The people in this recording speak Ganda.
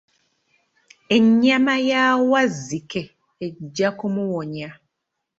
Ennyama ya Wazzike ejja kumuwonya.